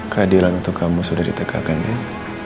keadilan untuk kamu sudah ditegakkan ya